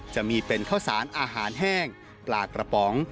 จะมีเป็นข้าวสารอาหารแห้งปลากระป๋อง